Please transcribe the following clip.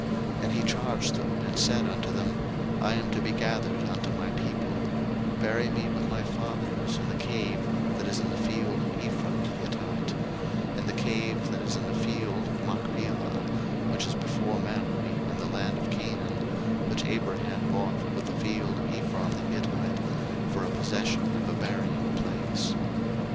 01:049:029 And he charged them, and said unto them, I am to be gathered unto my people: bury me with my fathers in the cave that is in the field of Ephron the Hittite, 01:049:030 In the cave that is in the field of Machpelah, which is before Mamre, in the land of Canaan, which Abraham bought with the field of Ephron the Hittite for a possession of a buryingplace.